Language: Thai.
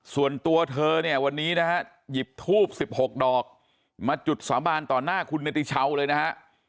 ส่วนตัวเธอเนี่ยวันนี้นะฮะหยิบทูบ๑๖ดอกมาจุดสาบานต่อหน้าคุณเนติชาวเลยนะฮะ